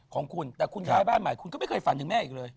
ของคุณแต่คุณย้ายบ้านใหม่คุณก็ไม่เคยฝันถึงแม่อีกเลย